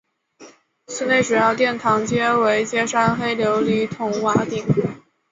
寺内主要殿堂皆为歇山黑琉璃筒瓦顶。